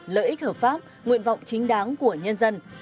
lợi ích hợp pháp nguyện vọng chính đáng của nhân dân